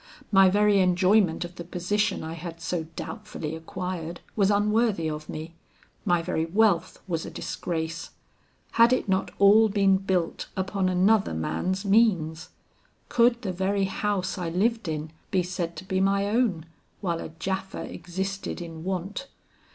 My very enjoyment of the position I had so doubtfully acquired, was unworthy of me. My very wealth was a disgrace. Had it not all been built upon another man's means? Could the very house I lived in be said to be my own, while a Japha existed in want?